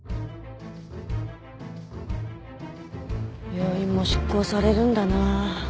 病院も執行されるんだなあ。